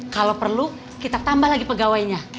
kalau perlu kita tambah lagi pegawainya